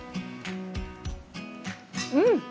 うん！